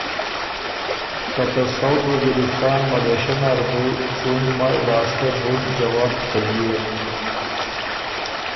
که ته ساؤتھ وزیرِستان ملېشۀ نر بُو څُون مای لاسته بُډ جوت چلئېک